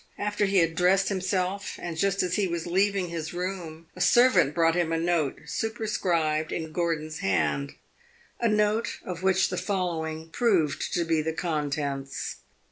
After he had dressed himself and just as he was leaving his room, a servant brought him a note superscribed in Gordon's hand a note of which the following proved to be the contents.